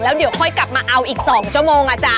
แล้วเดี๋ยวค่อยกลับมาเอาอีก๒ชั่วโมงอาจาร